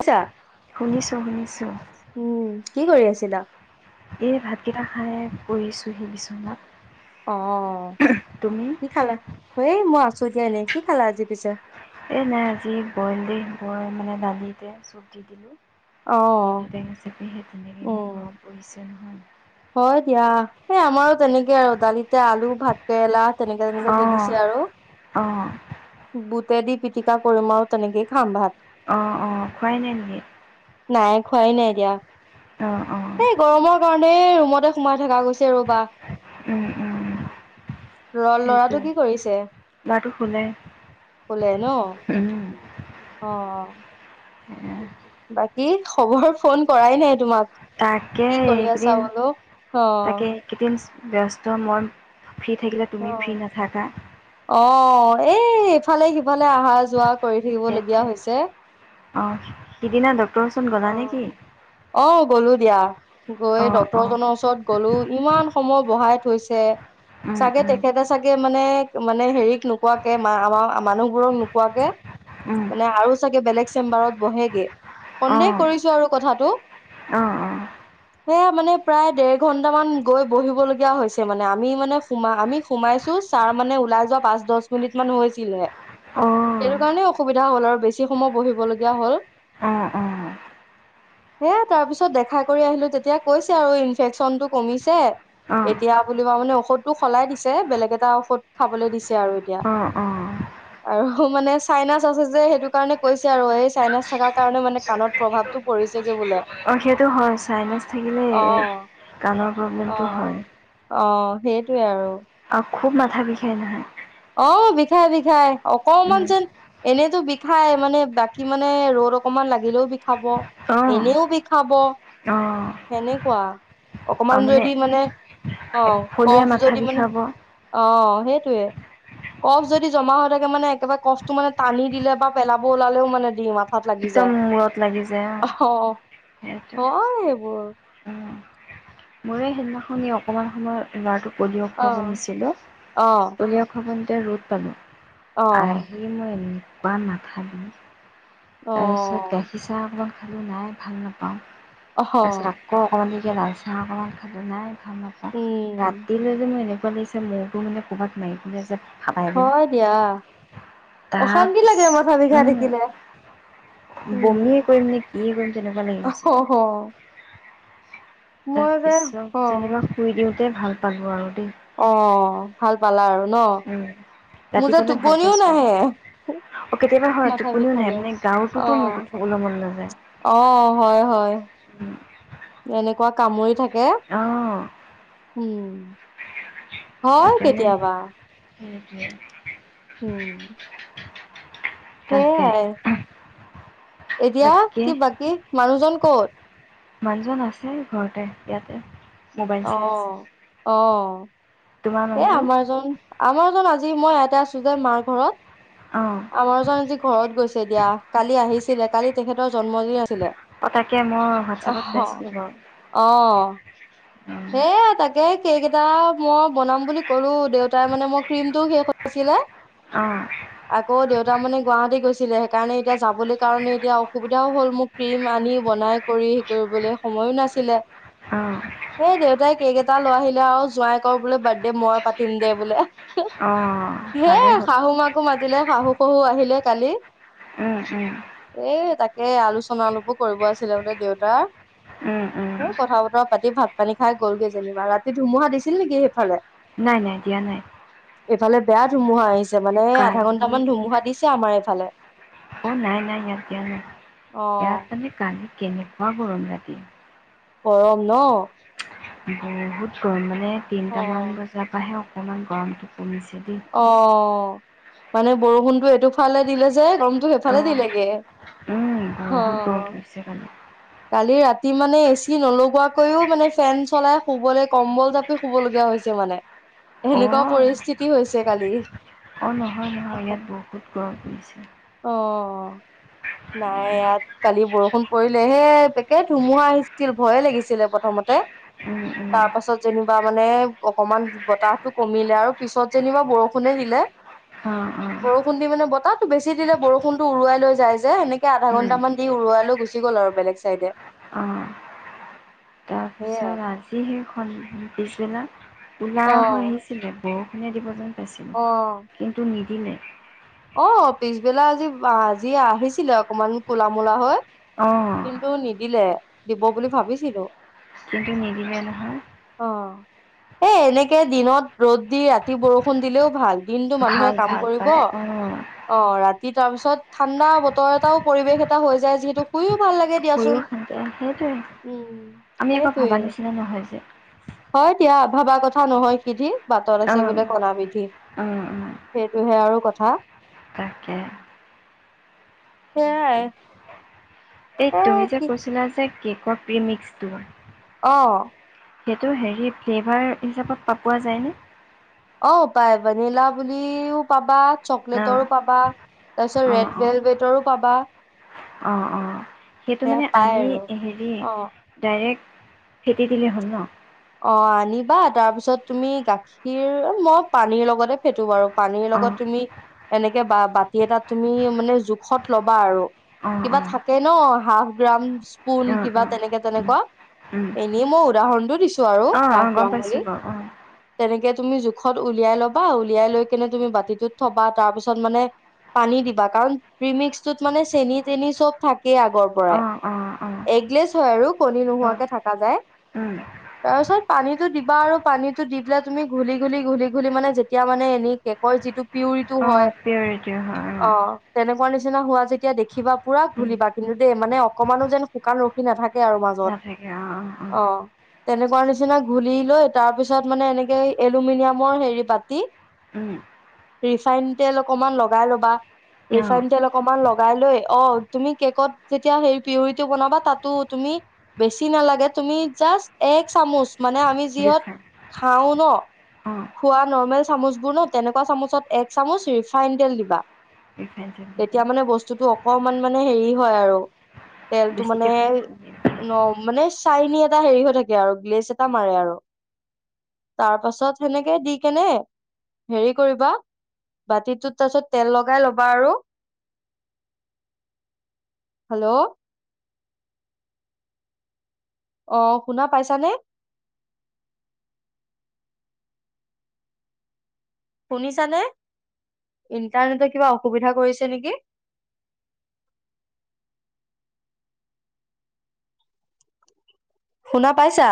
আছা শুনিছোঁ, শুনিছো। উম কি কৰি আছিলা এই ভাতকেইটা খাই পৰি আছোঁ সি বিচনাত। অ' তুমি কি খালা হ মই আছো দিয়া এনেই। কি খালা আজি পিছে এই নাই আজি ব্ৰইল দে ব্ৰই মানে দালিতে চবজি দিলো। অ নেমুটেঙা চেপি তেনেকে ইমান উম ঘৰ পৰিছে নহয়। হয় দিয়া এই আমাৰো তেনেকে আৰু দালিতে আলু ভাত কেৰেলা তেনেকে তেনেকে দি দিছে আৰু অহ বোতে দি পিটিকা কৰো মই তেনেকেই খাম ভাত অ অ খোৱাই নাই নেকি নাই খোৱাই নাই দিয়া এতিয়া অঁহ অঁহ গোটেই ৰুমতে সোমাই থকা গৈছে ৰবা উম উম ল'ৰা লৰাটো সেইটোৱে কি কৰিছে ল'ৰাটো শুলে কলে ন অ অ উম। বাকী খবৰ ফোন কৰাই নাই তোমাক তাকে কি কৰি আছা এইকেইদিন বোলো অ তাকে এইকেইদিন ব্যস্ত মই ফ্ৰী থাকিলে অ তুমি ফ্ৰী নাথাকা অ এই ইফালে সিফালে আহা যোৱা কৰি থাকিবলগীয়া হৈছে অহ সেইদিনা ডক্টৰচোন গ'লা নেকি অ গ'লো দিয়া গৈ অ', অ', ডক্তৰজনৰ ওচৰত গলো ইমান সময় বঢ়াই থ থৈছে উম, চাগে উম, তেখেতে চাগে মানে মানে হেৰিক নোকোৱাকে মা আমাৰ মানুহবোৰক নোকোৱাকে উম, মানে আৰু চাগে বেলেগ চেম্বাৰত বহেগে সন্দেহ অ', কৰিছো আৰু কথাটো অ', অ', অ', অ', হে মানে প্ৰায় দেৰ ঘন্ট মান গৈ বহিব লগীয়া হৈছে মানে আমি মানে সোমা আমি সোমাইছো ছাৰ মানে ওলাই যোৱা পাঁচ দহ মিনিট মান হৈছিলে অ', সেইটো কাৰণেই অসুবিধা হ'ল আৰু বেছি সময় বহিবলগীয়া হল উ [unintelligible] হে তাৰ পিছত দেখা কৰি আহিলো তেতিয়া কৈছে আৰু ইনফেকচন টো কমিছে অ', এতিয়া বুলি মানে ঔষধটো সলাই দিছে বেলেগ এটা ঔষধ খাবলৈ দিছে দিছে আৰু এতিয়া অ', আৰু মানে চাইনাচ আছে যে সেইটো কাৰণে কৈছে আৰু এই চাইনাছ থকাৰ কাৰণে মানে কাণত প্ৰভাৱতটো পৰিছে অ সেইটো হয় চাইনেছ থাকিলে অ কণৰ অ প্ৰব্লেমটো হয় অ সেইটোৱে আৰু আৰু খুব মাথা বিষাই নহয় অ বিষাই বিষাই অকমান উম, যেন এনেতো বিষাই মানে বাকী মানে ৰ ৰদ অকমান লাগিলেও বিষাব অ', এনেও বিষাব অ', সেনেকুৱা অকমান যদি মানে অ একফলীয়া কচ মাথা যদি মানে বিষাব অ সেই সেইটোৱে কফ যদি জমা হৈ থাকে মানে একেবাৰে কফটো মানে টানি দিলে বা পেলাব ওলালেও মানে দিম আ হাত লাগি একদম যায় মূৰত লাগি যায় অ সেইটো হয় এইবোৰ উম, মোৰে সেইদিনাখনি অকমান সময় লৰাটো পলিও অ খোৱাব নিছিলো অ পলিঅ খোৱাব নিওতে ৰ'দ পালো অ আহি মই এনেকোৱা মাথাই অ তাৰ পিছত গাখীৰ চাহ অকমান খালো নাই ভাল নাপাওঁ অহ তাৰপিছত আকৌ অকমান লাল চাহ অকমান খালো নাই ভাল নাপাও উম ৰাতিলৈ যে মই এনেকোৱা লাগিছে মোৰটো মানে ক'ৰবাত মাৰি কিনে যে খাপায় দিম হয় দিয়া অশান্তি লাগে মাথা তাপিছত বিষাই ঐ থাকিলে উম বমিয়ে কৰিম নে কি কৰিম তেনেকোৱা লাগি অ গৈছিল তাৰ মই যে অ পিছত যেনিবা শুই দিওঁতে ভাল পালো আৰু দেই অ ভাল পালা আৰু ন মোৰ যে ৰাতিপুৱালৈ ভাল টোপনিউ পাইছোঁ আৰু নাহে অ কেতিয়াবা হয় মাথা টোপনিও নাহে বিষালে মানে অ গাৰুতোতো মোৰ শুবলৈ মন নাযায় অ হয় হয় উম। এনেকোৱা কামুৰি থাকে অঁ উম। হয় তাকে মানে কেতিয়াবা। [unintelligible] উম। তাকে সেয়াই এতিয়া কি বাকী মানুহজন ক'ত? মানুহজন আছে ঘৰতে, ইয়াতে। মোবাইল অ চাই আছে। অ তোমাৰ এ মানুহজন? আমাৰ জন আমাৰ জন আ জি মই ইয়াতে আছো যে মাৰ ঘৰত। অঁ আমাৰ জন আজি ঘৰত গৈছে দিয়া কালি আহিছিলে কালি তেখেতৰ জন্মদিন আ ছিলে। অঁ তাকে মই হোৱাটছএপত অহ পাইছিলোঁ বাৰু। অ তে উম, হে তাকে কেক এটা মই বনাম বুলি কলো দেউতাই মানে মোৰ ক্ৰীমটো শেষ হৈছিলে অঁ আকৌ দেউতা মানে গুৱাহাটী গৈছিলে সেইকাৰণে এতিয়া যাবলৈ কাৰণে এতিয়া অসুবিধাও হ'ল মোক ক্ৰীম আনি বনাই কৰি হে কৰিবলৈ সময়ো নাছিলে। অ। সেই দেউতাই কেক এটা লৈ আহিলে আৰু, জোঁৱাই কৰ বোলে বাৰ্থডে মই পাতিম দে বোলে। অঁ হে ভালেই হ'ল। শাহু মাকো মাতিলে, শাহু শহু আহিলে কালি। উম উম। এ তাকে আলোচনা অলপো কৰিব আছিলে বোলে দেউতাৰ, উম উম এ কথা বতৰা পাতি ভাত পানী খাই গলগে যেনিবা। ৰাতি ধুমুহা দিছিল নেকি সেইফালে? নাই নাই দিয়া নাই। এইফালে বেয়া ধুমুহা আহিছে মানে আধা কালি ঘণ্টামান ধুমুহা দিছে আমাৰ এইফালে। অ নাই নাই ইয়াত দিয়া নাই ইয়াত অ' মানে কালি কেনেকোৱা গৰম ৰাতি। গৰম ন? বহুত গৰম মানে তিনটামান অ' বজাৰ পৰাহে অকমান গৰমতো কমিছে। দেই। অ, মানে বৰষুণটো এইটো ফালে দিলে যে গৰমটো সেইফালে অঁ দিলেগে। উম অ, বহুত গৰম পৰিছে কালি। কালি ৰা তি মানে এচি নলগোৱাকৈও মানে ফেন চলাই শুবলে কম্বল জাপি শুব লগীয়া হৈছে মানে। এনেকোৱা অঁ পৰিস্থিতি হৈছে কালি। অ নহয় নহয় ইয়াত বহুত গৰম পৰিছিল। অ নাই ইয়াত কালি বৰষুণ পৰিলেহে একে ধুমুহা আহিছিল ভয়ে লাগিছিলে প্ৰথমতে উম উম তাৰ পাছত যেনিবা মানে অকমান বতাহতো কমিলে আৰু পিছত যেনিবা বৰষুণে দিলে। অ অ বৰষুণ দি মানে বতাহ বেছি দিলে বৰষুণতো উৰুৱাই লৈ যায় যে, সেনেকে আধা উম ঘণ্টামান দি উৰুৱাই লৈ গুচি গ'ল আৰু বেলেগ চাইডে। অ। সেয়াই তাৰপিছত আজি সেই স পিছবেলা কলা অ হৈ আহিছিলে ব ৰষুনে দিব যেন পাইছিলোঁ, অ কিন্তু নিদিলে। অ পিছবেলা আজি আজি আহিছিলে অকমান ক'লা মলা হৈ। অ কিন্তু নিদিলে দিব বুলি ভাবিছিলো। কিন্তু নিদিলে নহয়। অ এ এনেকে দিনত ৰ'দ দি ৰাতি বৰষুণ দিলেও ভাল। দিনটো মানুহে ভাল কাম ভাল কৰিব পাই অ ৰাতি তাৰ পিছত ঠাণ্ডা বতৰ এটাও পৰিৱেশ এটা হৈ যায় যিহেতু শুইও ভাল লাগে শুইও দিয়াচোন। শান্তি সেইটোৱে উম, আমি আকৌ সেইটোৱে। ভাবা নিচিনা নহয় যে হয় দিয়া, ভবা কথা নহয় সিধি বাটত অ আছে বোলে কনা বিধি। অ অ সেইটোহে আৰু কথা। তাকে সেইটোৱে সেয়াই। এই এ তুমি যে কি কৈছিলা যে কেকৰ প্ৰিমিক্সটো অ সেইটো হেৰি ফ্লেভাৰ হিচাপত প পোৱা যায়নে। অ পায় ভেনিলা বুলিও পাবা। চকলেটৰো অ', পাবা তাৰ পিছত অ', ৰেড অ', ভেলভেটৰো পাবা। অ অ সেইটো সেয়া মানে পাই আনি আৰু। হেৰি অ', ডাইৰেক্ট ফেতি দিলে হ'ল ন। অ আনিবা তাৰ পিছত তুমি গাখীৰ মই পানীৰ লগতে ফেটো বাৰু। পানীৰ লগত অ', তুমি এনেকে বা বাতি এটাত তুমি মানে জোখত ল'বা আৰু। অ', কিবা অ', থাকে ন হাফ গ্ৰাম স্পুন অ', কিবা অ', তেনেকে উম, তেনেকুৱা উম। এনেই মই উদাহৰণটো দিছো আৰু অ', হাফ অ', গম গ্ৰাম বুলি পাইছোঁ বাৰু অ', তেনেকে। তুমি জোখত উলিয়াই ল'বা উলিয়াই লৈ কেনে তুমি বাতিটোত থবা তাৰ পিছত মানে পানী দিবা কাৰণ প্ৰিমিক্সটোত মানে চেনি তেনি চব থাকেই আগৰ পৰাই। অ', অ', অ', এগলেছ হয় আৰু কণী অ', নোহোৱাকৈ থকা যায়। উম, তাৰ পিছত পানীতো দিবা আৰু পানীটো দি পেলাই তুমি ঘূলি ঘূলি ঘূলি ঘূলি মানে যেতিয়া মানে এনে হয় যিটো প্ৰিউৰিটো হয়। অ', পিয়ৰিটিৰ হয় অ', অঁ তেনেকুৱা শুকান নিচিনা হোৱা যেতিয়া দেখিবা পুৰা উম, ঘুলিবা কিন্তু দেই মানে অকমানো যেন শুকান ৰখি নাথাকে। আৰু মাজত অ তেনেকুৱা নিচিনা ঘুলি লৈ তাৰ পিছত মানে এনেকে এলুমিনিয়ামৰ হেৰি পাতি উম, ৰিফাইন তেল অকনমান লগাই ল'বা। অ', ৰিফাইন তেল অকনমান লগাই লৈ অ তুমি কেকত যেতিয়া সেই পিউৰিটো বনাবা তাতো তুমি বেছি নালাগে তুমি জাষ্ট এক চামুচ মানে আমি যিহত ৰিফাইন খাও ন অ', খোৱা নৰ্মেল চামুচ বোৰ ন তেনেকুৱা চামুচত এক চামুচ ৰিফাইন তেল দিবা। ৰিফাইন তেল দি তেতিয়া দিম, মানে বস্তুটো অকণমান মানে হেৰি হয়। আৰু তেলটো মানে বেছিকে ন মানে চাইনি এটা হেৰি হৈ থাকে। আৰু গ্লেছ এটা মাৰে আৰু। তাৰ পাছত সেনেকে দি কেনে হেৰি কৰিবা। বাতিটোত তাৰপিছত তেল লগাই ল'বা আৰু। হেল্ল' আহ শুনা পাইছানে? শুনিছানে ইণ্টাৰনেটে কিবা অসুবিধা কৰিছে নেকি? আ শুনা পাইছা?